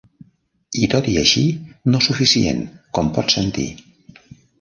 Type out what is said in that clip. I tot i així no suficient, com pots sentir.